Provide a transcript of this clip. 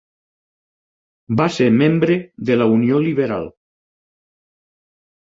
Va ser membre de la Unió Liberal.